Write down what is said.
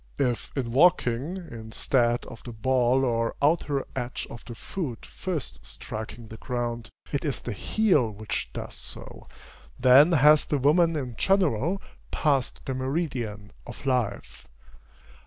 If in walking, instead of the ball or outer edge of the foot first striking the ground, it is the heel which does so, then has the woman in general passed the meridian of life.